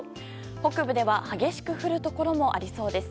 北部では激しく降るところもありそうです。